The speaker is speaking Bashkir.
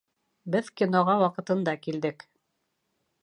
Беҙ киноға ваҡытында килдек.